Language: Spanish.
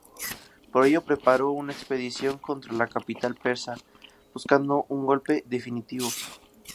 Por ello, preparó una expedición contra la capital persa, buscando un golpe definitivo.